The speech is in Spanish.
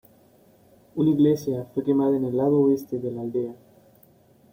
Una iglesia fue quemada en el lado oeste de la aldea.